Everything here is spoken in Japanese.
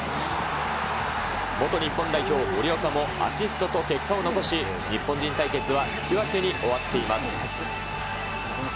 元日本代表、森岡もアシストと結果を残し、日本人対決は引き分けに終わっています。